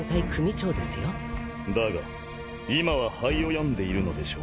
だが今は肺を病んでいるのでしょう？